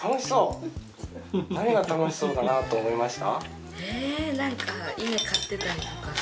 何が楽しそうだなと思いました？